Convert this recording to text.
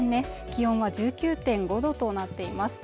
気温は１９．５度となっています